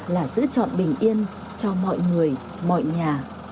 là giữ chọn bình yên cho mọi người mọi nhà